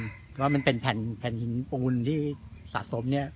เพราะว่ามันเป็นแผ่นหินปูนที่สะสมเนี่ย